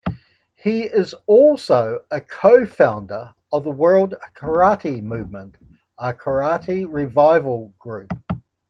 He is also a co-founder of the World Karaite Movement, a Karaite revival group.